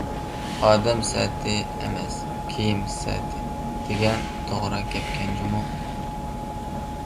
«ئادەم سەتى ئەمەس، كىيىم سەتى» دېگەن توغرا گەپكەن جۇمۇ!